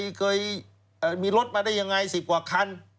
เคยมีรถมาได้ยังไง๑๐กว่าคัน